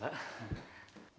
maaf kalau saya mengganggu